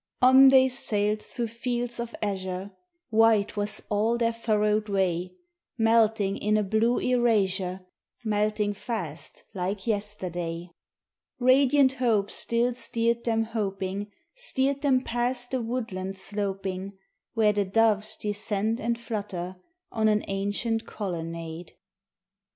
On they sailed through fields of azure, White was all their furrowed way, Melting in a blue erasure, Melting fast like yesterday; Radiant Hope still steered them hoping, Steered them past the woodlands sloping, Where the doves descend and flutter on an ancient colonnade.